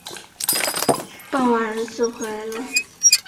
傍晚儿子回来了